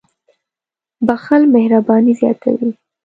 • بښل مهرباني زیاتوي.